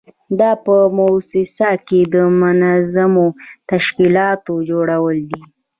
دا په موسسه کې د منظمو تشکیلاتو جوړول دي.